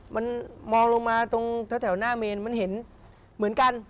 มันมองลงมาตรงแถวหน้าเมนมันเห็นเหมือนกัน